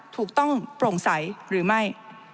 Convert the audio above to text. ถูกต้องโปร่งใสหรือไม่